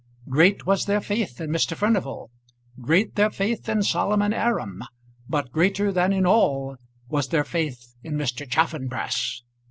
Great was their faith in Mr. Furnival; great their faith in Solomon Aram; but greater than in all was their faith in Mr. Chaffanbrass.